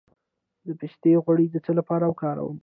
د پسته غوړي د څه لپاره وکاروم؟